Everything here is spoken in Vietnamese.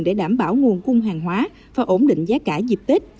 để đảm bảo nguồn cung hàng hóa và ổn định giá cả dịp tết